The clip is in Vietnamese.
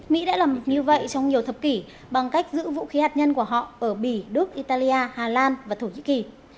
mỹ đã làm như vậy trong nhiều thập kỷ bằng cách giữ vũ khí hạt nhân của họ ở bỉ đức italia hà lan và thổ nhĩ kỳ